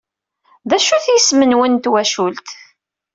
D acu-t yisem-nwen n twacult?